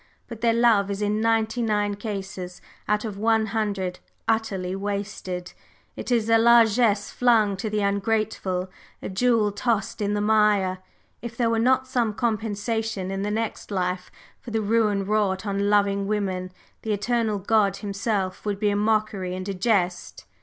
But their love is in ninety nine cases out of a hundred utterly wasted; it is a largesse flung to the ungrateful, a jewel tossed in the mire! If there were not some compensation in the next life for the ruin wrought on loving women, the Eternal God himself would be a mockery and a jest."